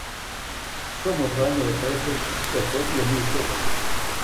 Том одвајању је претходио низ догађаја.